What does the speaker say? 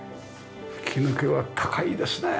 吹き抜けは高いですねえ！